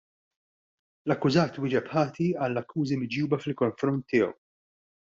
L-akkużat wieġeb ħati għall-akkużi miġjuba fil-konfront tiegħu.